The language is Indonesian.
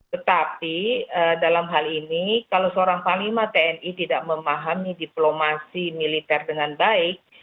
tetapi dalam hal ini kalau seorang panglima tni tidak memahami diplomasi militer dengan baik